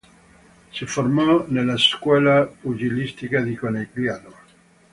Si formò nella scuola pugilistica di Conegliano.